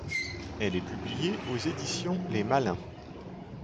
Elle est publiée aux Éditions les Malins.